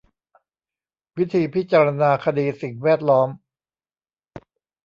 วิธีพิจารณาคดีสิ่งแวดล้อม